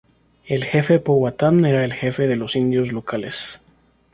El jefe Powhatan era el jefe de los indios locales.